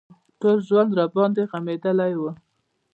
ټول ژوند راباندې غمېدلى و.